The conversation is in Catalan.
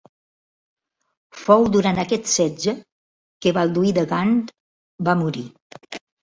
Fou durant aquest setge que Balduí de Gant va morir.